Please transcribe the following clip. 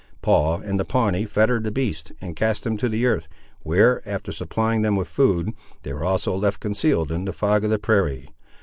Paul and the Pawnee fettered the beasts and cast them to the earth, where, after supplying them with food, they were also left concealed in the fog of the prairie.